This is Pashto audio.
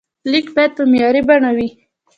لیک باید په معیاري بڼه وي.